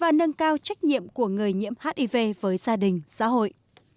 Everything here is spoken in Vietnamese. và nâng cao trách nhiệm của người nhiễm hiv với gia đình xã hội